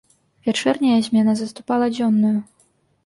Вячэрняя змена заступала дзённую.